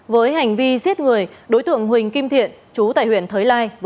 với hành vi giết người đối tượng huỳnh kim thiện chú tại huyện thới lai